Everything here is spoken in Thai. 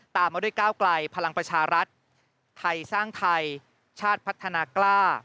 มาด้วยก้าวไกลพลังประชารัฐไทยสร้างไทยชาติพัฒนากล้า